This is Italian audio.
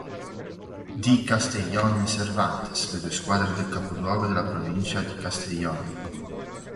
D. Castellón e Cervantes, le due squadre del capoluogo della provincia di Castellón.